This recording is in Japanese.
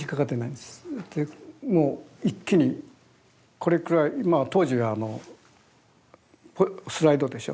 でもう一気にこれくらいまあ当時はあのスライドでしょ？